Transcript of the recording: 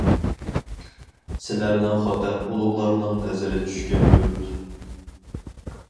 -سىلەرنىڭ خوتەن ئۇلۇغلارنىڭ نەزىرى چۈشكەن يۇرت.